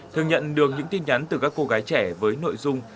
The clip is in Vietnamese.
thường nhận được những tin nhắn từ các cô gái trẻ với nội dung